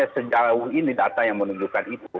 sejauh ini data yang menunjukkan itu